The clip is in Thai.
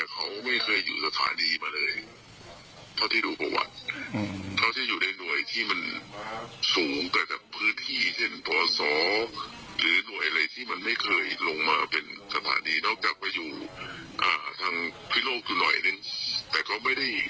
เหมือนพี่โรควิรัอยนิแต่ก็ไม่ได้